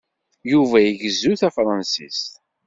Yuba igezzu tafṛansist.